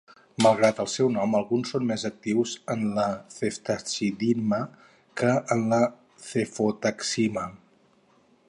Malgrat el seu nom, alguns són més actius en la ceftazidima que en la cefotaxima.